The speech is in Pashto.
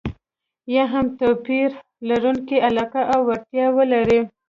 یا هم توپير لرونکې علاقه او اړتياوې ولري.